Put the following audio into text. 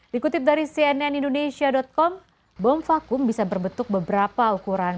dikutip dari cnn indonesia com bom vakum bisa berbentuk beberapa ukuran